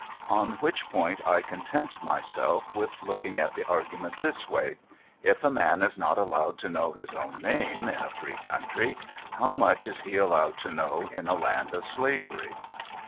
On which point I content myself with looking at the argument this Avay : If a man is not allowed to know his own name in a free country, how much is he allowed to know in a land of slavery